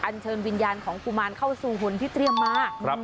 เชิญวิญญาณของกุมารเข้าสู่หุ่นที่เตรียมมา